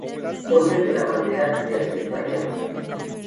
Orden de la Bandera de Azerbaiyán